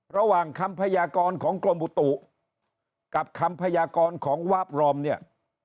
ระหว่างคำพยากรของกรมอุตุกับคำพยากรของวาบรอมเนี่ย